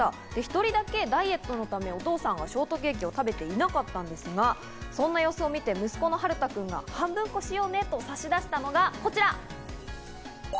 １人だけダイエットのため、お父さんがケーキを食べていなかったんですが、そんな様子を見て、息子のはるたくんが半分こしようねと差し出したのがこちら。